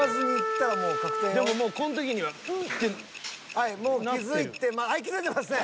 ［はいもう気付いて気付いてますね］